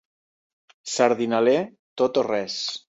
Sardinaler, tot o res.